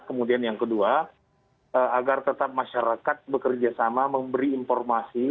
kemudian yang kedua agar tetap masyarakat bekerjasama memberi informasi